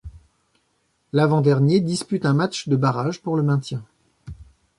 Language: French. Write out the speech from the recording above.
L'avant dernier dispute un match de barrage pour le maintien.